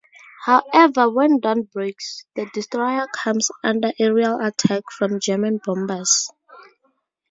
However, when dawn breaks, the destroyer comes under aerial attack from German bombers.